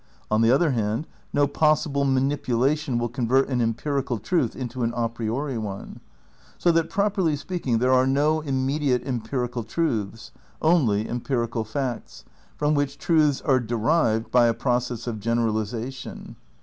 On the other hand no pos sible manipulation will convert an empirical truth into an a priori one. So that, properly speaking, there are no immediate empirical truths, only empirical facts, from which truths are derived by a process of general isation.